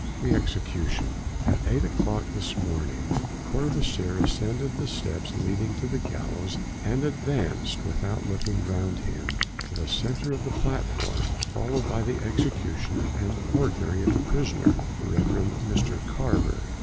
THE EXECUTION. At eight o'clock this morning, Courvoisier ascended the steps leading to the gallows, and advanced, without looking round him, to the centre of the platform, followed by the executioner and the ordinary of the prison, the Rev. Mr Carver.